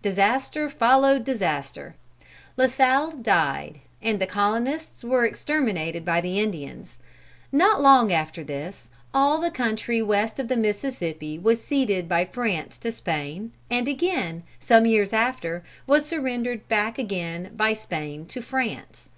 Disaster followed disaster. La Salle died, and the colonists were exterminated by the Indians. Not long after this, all the country west of the Mississippi was ceded by France to Spain, and again, some years after, was surrendered back again by Spain to France.